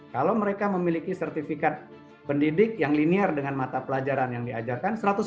kalau mereka memiliki sertifikat pendidik yang linear dengan mata pelajaran yang diajarkan